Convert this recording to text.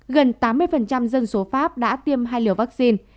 gần tám mươi dân số pháp đã tiêm hai liều vaccine